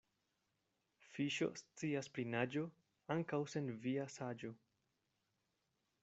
Fiŝo scias pri naĝo ankaŭ sen via saĝo.